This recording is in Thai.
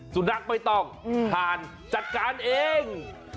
สุนัขไม่ต้องผ่านจัดการเอง